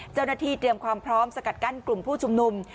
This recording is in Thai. เจ้าหน้าที่เตรียมความพร้อมสกัดกั้นกลุ่มผู้ชุมนุม